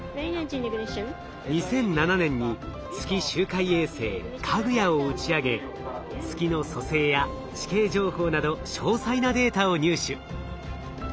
２００７年に月周回衛星「かぐや」を打ち上げ月の組成や地形情報など詳細なデータを入手。